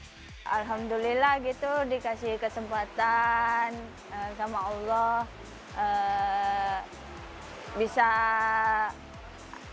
alhamdulillah gitu dikasih kesempatan sama allah bisa